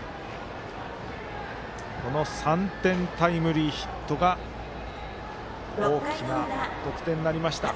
３点タイムリーヒットが大きな得点になりました。